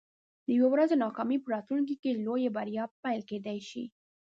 د یوې ورځې ناکامي په راتلونکي کې د لویې بریا پیل کیدی شي.